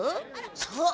そう！